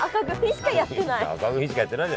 赤組しかやってない。